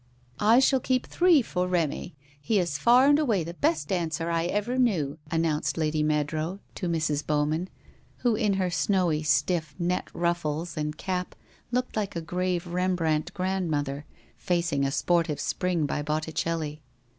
* I shall keep three for Remy, he is far and away the best dancer I ever knew,' announced Lady Meadrow, to Mrs. Bowman, who in her snowy stiff net ruffles and cap looked like a grave Rembrandt grandmother facing a sportive Spring by Botticelli.